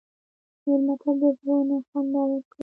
مېلمه ته د زړه نه خندا ورکړه.